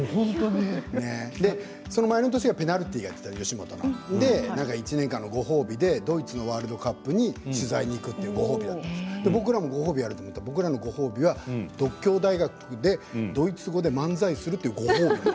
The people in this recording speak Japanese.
その前の年は吉本のペナルティーがやっていて１年間、ご褒美でドイツのワールドカップに取材に行くというご褒美があって僕らもご褒美あると思ったら僕らのご褒美は獨協大学でドイツ語で漫才するというご褒美。